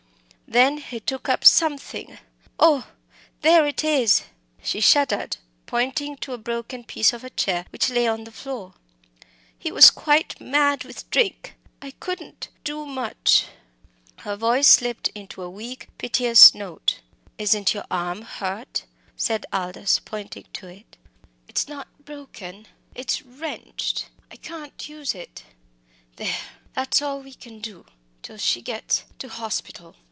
Then he took up something oh! there it is!" She shuddered, pointing to a broken piece of a chair which lay on the floor. "He was quite mad with drink I couldn't do much." Her voice slipped into a weak, piteous note. "Isn't your arm hurt?" said Aldous, pointing to it. "It's not broken it's wrenched; I can't use it. There that's all we can do till she gets to hospital."